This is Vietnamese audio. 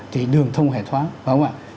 thì đường thông hệ thoáng đúng không ạ